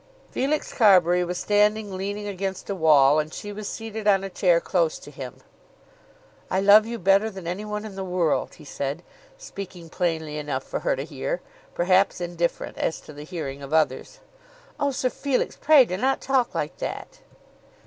Felix Carbury was standing leaning against a wall, and she was seated on a chair close to him. "I love you better than anyone in the world," he said, speaking plainly enough for her to hear, perhaps indifferent as to the hearing of others. "Oh, Sir Felix, pray do not talk like that."